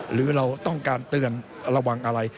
หรือเราต้องการเตือนระวังอะไร